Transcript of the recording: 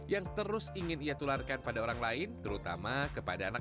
yang terus ingin ia tularkan pada orang lain terutama kepada anak